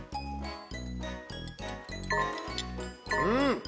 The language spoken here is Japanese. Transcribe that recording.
うん。